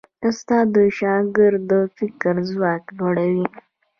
استاد د شاګرد د فکر ځواک لوړوي.